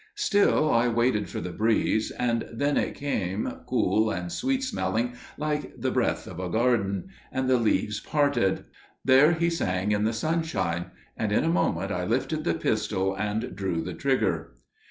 Still I waited for the breeze, and then it came, cool and sweet smelling like the breath of a garden, and the leaves parted. There he sang in the sunshine, and in a moment I lifted the pistol and drew the trigger.